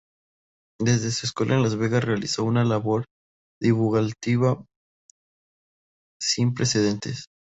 Desde su escuela en Las Vegas realizó una labor divulgativa sin precedentes.